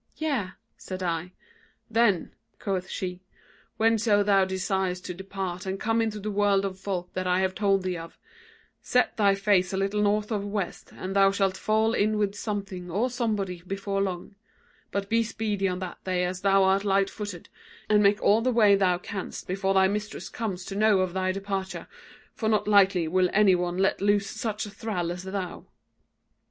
'Yea,' said I. 'Then,' quoth she, 'whenso thou desirest to depart and come into the world of folk that I have told thee of, set thy face a little north of west, and thou shalt fall in with something or somebody before long; but be speedy on that day as thou art light footed, and make all the way thou canst before thy mistress comes to know of thy departure; for not lightly will any one let loose such a thrall as thou.'